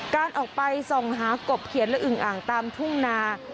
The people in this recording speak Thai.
การออกไปส่องหากบเขียนและอึงอ่างตามทุ่งนา